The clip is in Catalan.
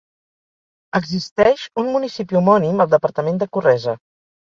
Existeix un municipi homònim al departament de Corresa.